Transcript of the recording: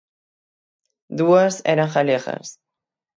Dúas eran galegas.